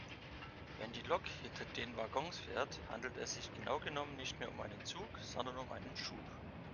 Wenn die Lok hinter den Waggons fährt, handelt es sich genau genommen nicht mehr um einen Zug sondern um einen Schub.